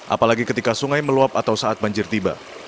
apalagi ketika sungai meluap atau saat banjir tiba